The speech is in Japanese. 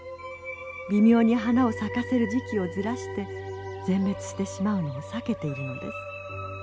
微妙に花を咲かせる時期をずらして全滅してしまうのを避けているのです。